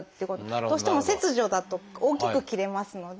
どうしても切除だと大きく切れますので。